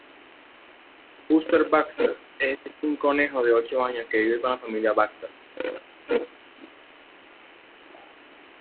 Buster Baxter es un conejo de ocho años que vive con la familia Baxter.